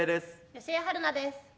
吉江晴菜です。